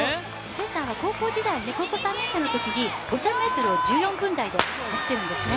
Ｋさんは高校３年生のときに５０００ｍを１４分台で走っているんですね。